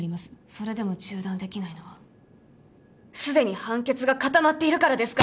それでも中断できないのは既に判決が固まっているからですか？